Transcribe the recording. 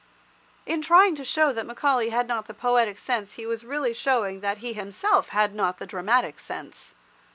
In trying to show that Macaulay had not the poetic sense he was really showing that he himself had not the dramatic sense.